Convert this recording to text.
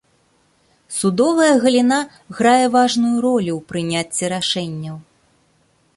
Судовая галіна грае важную ролю ў прыняцці рашэнняў.